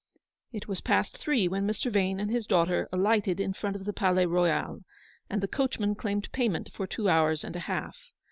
It was past three when Mr. Yane and his daughter alighted in front of the Palais Royal, and the coachman claimed payment for two hours and a half.